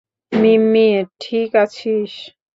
মিম্মি ঠিক আছিস?